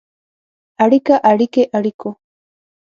اړیکه ، اړیکې، اړیکو.